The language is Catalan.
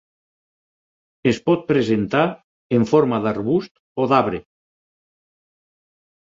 Es pot presentar en forma d'arbust o d'arbre.